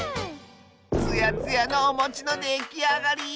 つやつやのおもちのできあがり。